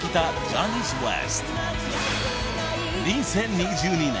［２０２２年